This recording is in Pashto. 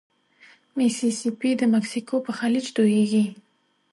ميسي سي پي د مکسیکو په خلیج توییږي.